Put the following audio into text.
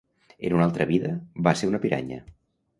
En una altre vida, va ser una piranya.